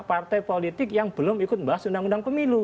partai politik yang belum ikut membahas undang undang pemilu